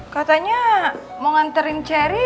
katanya mau nganterin cherry